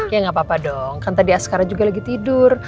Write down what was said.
ya nggak apa apa dong kan tadi askara juga lagi tidur